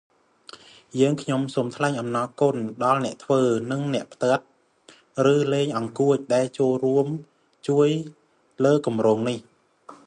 យើងខ្ញុំសូមថ្លែងអំណរគុណដល់អ្នកធ្វើ និងអ្នកផ្ទាត់ ឬលេងអង្កួច ដែលចូលរួមជួយលើគម្រោងនេះ